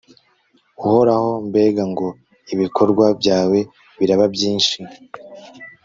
uhoraho, mbega ngo ibikorwa byawe biraba byinshi